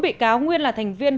bốn bị cáo nguyên là thành viên